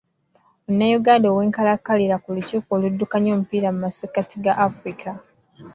Munnayuganda ow’enkalakkalira ku lukiiko oluddukanya omupiira mu massekati ga Afirika.